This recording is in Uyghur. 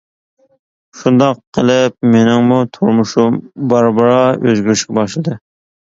شۇنداق قىلىپ مېنىڭمۇ تۇرمۇشۇم بارا-بارا ئۆزگىرىشكە باشلىدى.